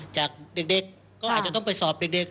จากเด็กก็อาจจะต้องไปสอบเด็ก